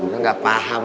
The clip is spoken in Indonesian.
gua gak paham lu